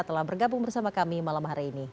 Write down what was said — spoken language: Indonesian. telah bergabung bersama kami malam hari ini